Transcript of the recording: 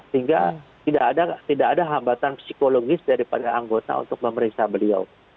sehingga tidak ada hambatan psikologis daripada anggota untuk memeriksa beliau